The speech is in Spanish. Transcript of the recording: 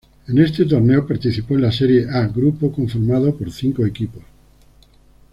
En este torneo, participó en la "Serie A", grupo conformado por cinco equipos.